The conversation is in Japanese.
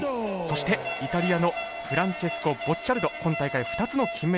そしてイタリアのフランチェスコ・ボッチャルド今大会２つの金メダル。